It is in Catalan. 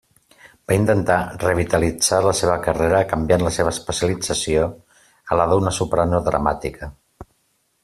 Va intentar revitalitzar la seva carrera canviant la seva especialització a la d'una soprano dramàtica.